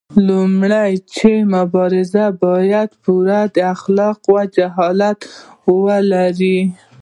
لومړی دا چې مبارزه باید پوره اخلاقي وجاهت ولري.